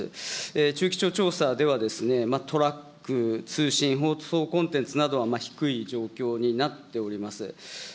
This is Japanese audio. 中期ちょう調査では、トラック、通信コンテンツなどは低い状況にはなっております。